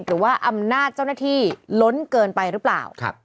หรือว่าอำนาจเจ้าหน้าที่ล้นเกินไปหรือเปล่า